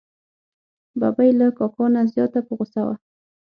ببۍ له کاکا نه زیاته په غوسه وه.